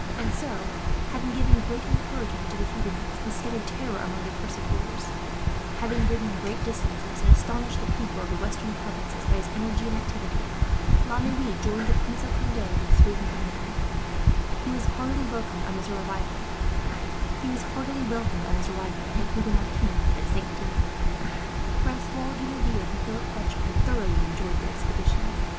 And so, having given great encouragement to the Huguenots, and scattered terror among their persecutors; having ridden great distances, and astonished the people of the western provinces by his energy and activity; La Noue joined the Prince of Conde, with three hundred men. He was heartily welcomed on his arrival at the Huguenot camp at Saint Denis. Francois de Laville and Philip Fletcher had thoroughly enjoyed the expedition.